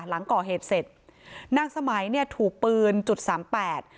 หลังก่อเหตุเสร็จนางสมัยเนี่ยถูกปืนจุดสามแปด